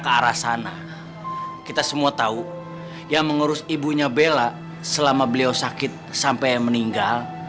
ke arah sana kita semua tahu yang mengurus ibunya bella selama beliau sakit sampai meninggal